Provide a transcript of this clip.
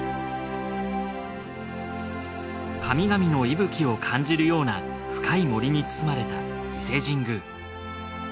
神々の息吹を感じるような深い森に包まれた伊勢神宮。